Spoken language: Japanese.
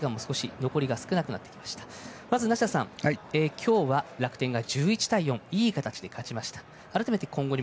今日は、楽天が１１対４いい形で勝ちました。